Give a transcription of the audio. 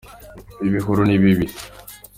ibihuru ni bibi